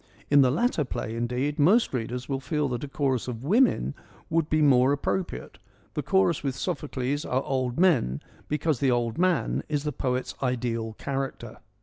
In the latter play, indeed, most readers will feel that a chorus of women would be more appropriate ; the chorus with Sophocles are old men because the old man is the poet's ideal character.